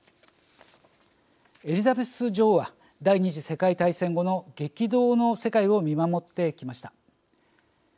エリザベス女王は第２次世界大戦後の激動の世界を見守ってきました。